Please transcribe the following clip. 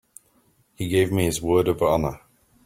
He gave me his word of honor.